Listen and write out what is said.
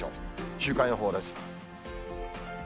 週間予報です。